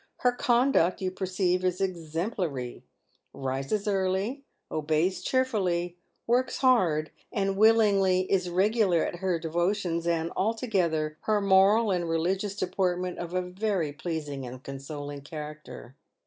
" Her conduct, you perceive, is exemplary — rises early — obeys cheerfully — works hard and willingly — is regular at her devotions, and, altogether, her moral and religious deportment of a very pleasing and consoling character."